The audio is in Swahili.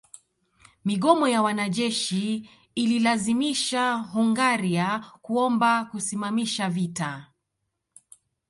Migomo ya wanajeshi ililazimisha Hungaria kuomba kusimamisha vita